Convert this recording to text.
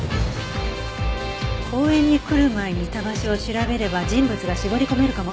公園に来る前にいた場所を調べれば人物が絞り込めるかも。